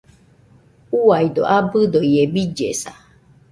Uaido, abɨdo ie billesa.